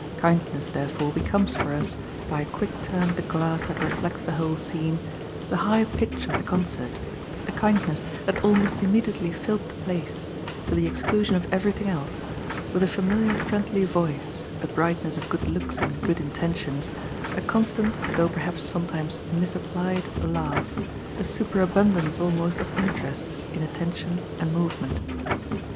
Kindness therefore becomes for us, by a quick turn of the glass that reflects the whole scene, the high pitch of the concert a kindness that almost immediately filled the place, to the exclusion of everything else, with a familiar friendly voice, a brightness of good looks and good intentions, a constant though perhaps sometimes misapplied laugh, a superabundance almost of interest, inattention and movement.